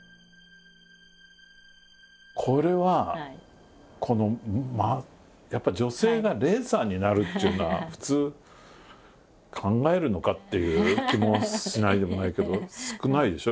これはこのやっぱ女性がレーサーになるっちゅうのは普通考えるのかっていう気もしないでもないけど少ないでしょ？